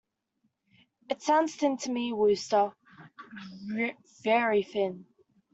It sounds thin to me, Wooster, very thin.